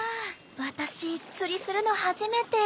ワタシ釣りするの初めて。